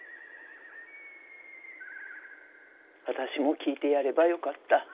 私も聞いてやればよかった。